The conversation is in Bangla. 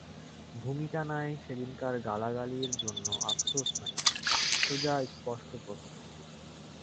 ভূমিকা নাই, সেদিনকার গালাগালির জন্য আপসোস নাই, সোজা স্পষ্ট প্রশ্ন!